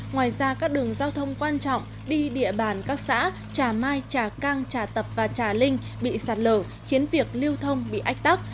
ngoài ra các đường giao thông quan trọng đi địa bàn các xã trà mai trà cang trà tập và trà linh bị sạt lở khiến việc lưu thông bị ách tắc